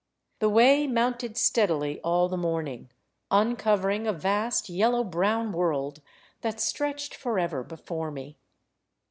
The way mounted steadily all the morning, un covering a vast yellow brown world that stretched forever before me.